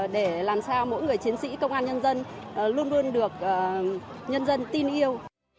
để làm sao mỗi người chiến sĩ công an nhân dân luôn luôn được nhân dân tin yêu